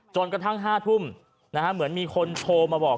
จนกระทั่งห้าทุ่มนะฮะเหมือนมีคนโทรมาบอก